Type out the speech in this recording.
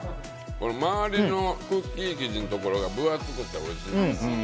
周りのクッキー生地のところが分厚くておいしい。